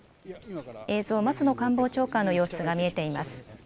映像、松野官房長官の様子が見えています。